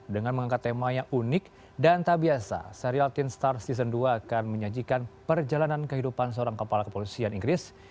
dengan mengangkat tema yang unik dan tak biasa serial team star season dua akan menyajikan perjalanan kehidupan seorang kepala kepolisian inggris